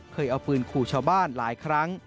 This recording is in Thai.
เคยเอาปืนขู่ชาวบ้านหลายครั้ง